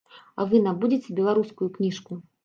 А вы набудзьце беларускую кніжку.